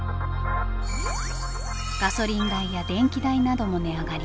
ガソリン代や電気代なども値上がり。